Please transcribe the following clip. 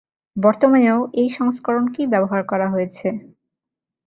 বর্তমানেও এই সংস্করণকে ব্যবহার করা হয়েছে।